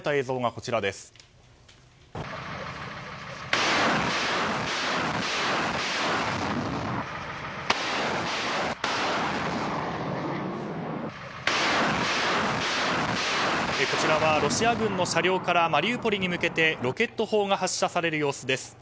こちらはロシア軍の車両からマリウポリに向けてロケット砲が発射される様子です。